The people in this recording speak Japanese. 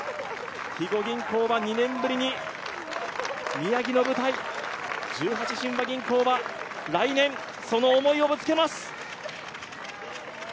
肥後銀行は２年ぶりに宮城の舞台、十八親和銀行は来年、その思いをぶつけます。